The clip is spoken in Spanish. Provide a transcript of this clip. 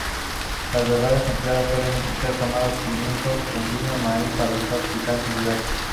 Las verduras empleadas suelen ser tomates, pimientos, pepinos, maíz, salsas picantes diversas.